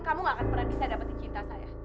kamu gak akan pernah bisa dapetin cinta saya